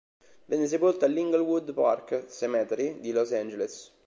Venne sepolto all'Inglewood Park Cemetery di Los Angeles.